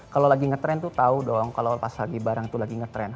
kalau lagi ngetren tuh tahu dong kalau pas lagi barang itu lagi ngetren